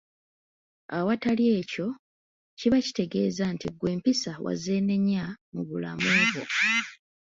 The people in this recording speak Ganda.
Awatali ekyo kiba kitegeeza nti ggwe empisa wazeenenya mu bulamu bwo.